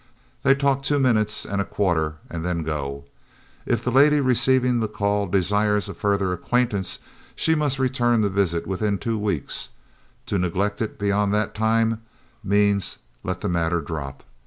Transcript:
They talk two minutes and a quarter and then go. If the lady receiving the call desires a further acquaintance, she must return the visit within two weeks; to neglect it beyond that time means "let the matter drop."